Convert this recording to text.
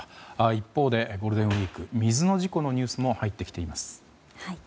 一方でゴールデンウィーク水の事故のニュースも入ってきています。